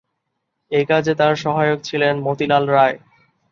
একাজে তার সহায়ক ছিলেন মতিলাল রায়।